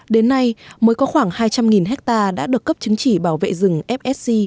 đến nay mới có khoảng hai trăm linh hectare đã được cấp chứng chỉ bảo vệ rừng fsc